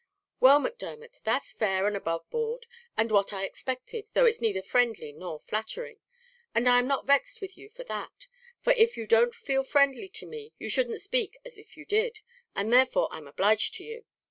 "Well, Macdermot, that's fair and above board and what I expected, though it's neither friendly nor flattering; and I am not vexed with you for that; for if you don't feel friendly to me you shouldn't speak as if you did, and therefore I'm obliged to you.